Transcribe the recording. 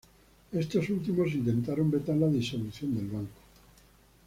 Estos últimos intentaron vetar la disolución del banco.